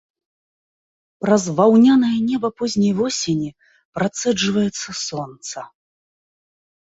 Праз ваўнянае неба позняй восені працэджваецца сонца.